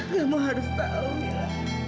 kamu harus tahu mila